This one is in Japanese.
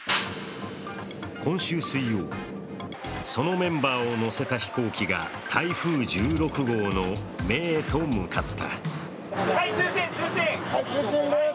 今週水曜、そのメンバーを乗せた飛行機が台風１６号の目へと向かった。